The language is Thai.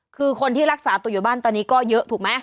คือคนที่รักษาตัวอยู่บ้านตอนนี้ก็เยอะถูกไหม